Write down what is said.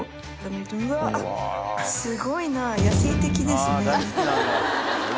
うわぁ、すごいな、野性的ですね